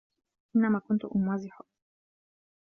إنَّمَا كُنْتُ أُمَازِحُك